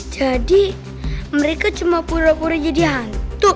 jadi mereka cuma pura pura jadi hantu